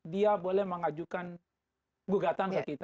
dia boleh mengajukan gugatan ke kita